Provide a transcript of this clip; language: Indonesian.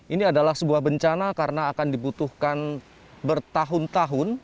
ini adalah sebuah bencana karena akan dibutuhkan bertahun tahun